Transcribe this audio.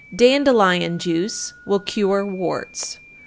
Dandelion juice will cure warts.